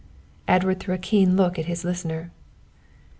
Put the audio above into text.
Edward threw a keen look at his listener.